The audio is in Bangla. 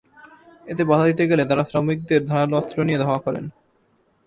এতে বাধা দিতে গেলে তাঁরা শ্রমিকদের ধারালো অস্ত্র নিয়ে ধাওয়া করেন।